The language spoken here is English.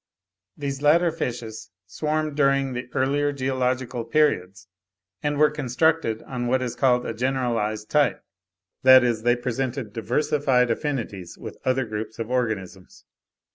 These latter fishes swarmed during the earlier geological periods, and were constructed on what is called a generalised type, that is, they presented diversified affinities with other groups of organisms.